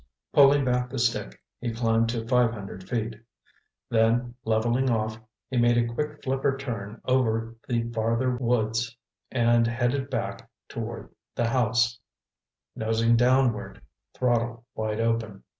Pulling back the stick, he climbed to five hundred feet. Then, leveling off, he made a quick flipper turn over the farther woods and headed back toward the house, nosing downward, throttle wide open.